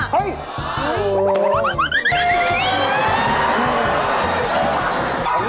เฮ้ย